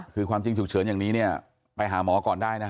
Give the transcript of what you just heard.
คือความจริงฉุกเฉินอย่างนี้เนี่ยไปหาหมอก่อนได้นะ